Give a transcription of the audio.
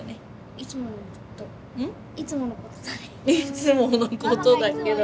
いつものことだけど。